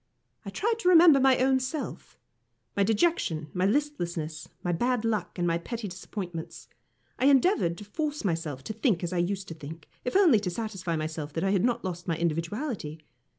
I tried to remember my own self, my dejection, my listlessness, my bad luck, and my petty disappointments. I endeavoured to force myself to think as I used to think, if only to satisfy myself that I had not lost my individuality.